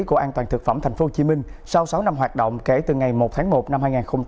của an toàn thực phẩm thành phố hồ chí minh sau sáu năm hoạt động kể từ ngày một tháng một năm hai nghìn hai mươi bốn